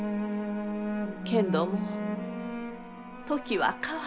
けんども時は変わった。